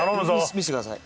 見せてください。